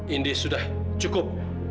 indy sudah cukup